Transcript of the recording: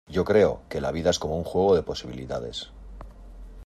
yo creo que la vida es como un juego de posibilidades.